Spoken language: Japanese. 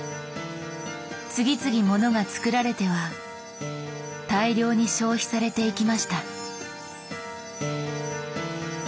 次々モノがつくられては大量に消費されていきました。